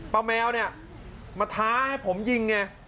แมวเนี่ยมาท้าให้ผมยิงไง